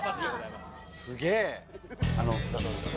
すげえ！